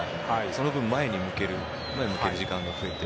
その分、前向ける時間が増えて。